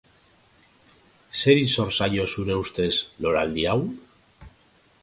Zeri zor zaio, zure ustez, loraldi hau?